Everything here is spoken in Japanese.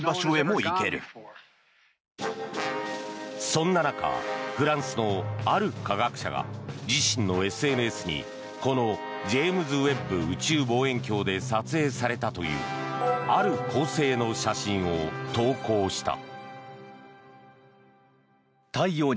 そんな中フランスのある科学者が自身のＳＮＳにこのジェームズ・ウェッブ宇宙望遠鏡で撮影されたというある恒星の写真を投稿した。